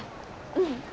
うん。